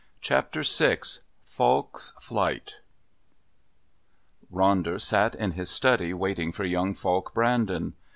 Chapter VI Falk's Flight Ronder sat in his study waiting for young Falk Brandon.